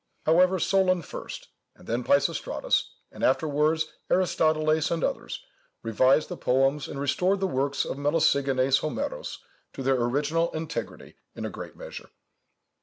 However, Solôn first, and then Peisistratus, and afterwards Aristoteles and others, revised the poems, and restored the works of Melesigenes Homeros to their original integrity in a great measure."